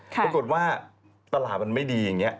ปรากฏว่าตลาดมันไม่ดีอย่างนี้